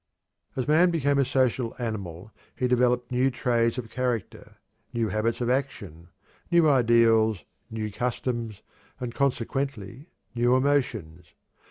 As man became a social animal he developed new traits of character, new habits of action, new ideals, new customs, and consequently new emotions.